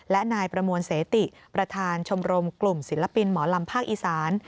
และนายประมวลเสติประธานชมรมกลุ่มศิลปินหมอลำภาคอีสาน